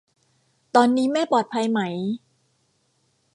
ตอนนี้แม่ปลอดภัยไหม ?